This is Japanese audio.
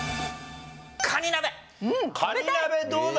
カニ鍋どうだ？